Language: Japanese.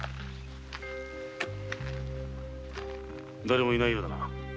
だれもいないようだな。